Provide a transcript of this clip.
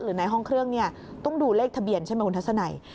ในห้องเครื่องเนี่ยต้องดูเลขทะเบียนใช่ไหมคุณทัศนัย